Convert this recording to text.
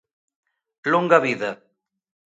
Longa vida!